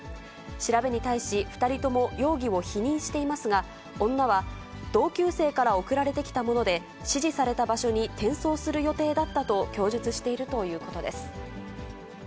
調べに対し２人とも容疑を否認していますが、女は、同級生から送られてきたもので、指示された場所に転送する予定だったと供述しているということです。